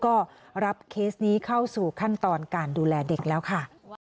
ก็รับเคสนี้เข้าสู่ขั้นตอนการดูแลเด็กแล้วค่ะ